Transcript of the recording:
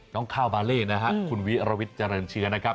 ข้าวบาเล่นะฮะคุณวิรวิทย์เจริญเชื้อนะครับ